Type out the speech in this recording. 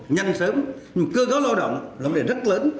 nhanh sớm nhưng cơ cấu lao động là vấn đề rất lớn